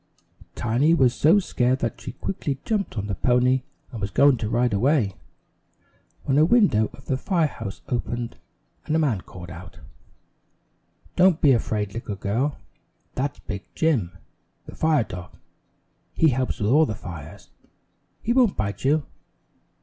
Tiny was so scared that she quickly jumped on the pony and was going to ride away, when a window of the fire house opened and a man called out: "Don't be afraid, little girl, that's Big Jim, the fire dog. He helps with all the fires. He won't bite you.